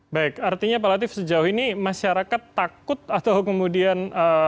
baik artinya pak latif sejauh ini masyarakat takut atau kemudian